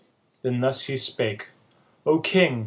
Then thus he spake :" O king